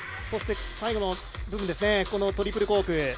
そして、最後の部分トリプルコーク。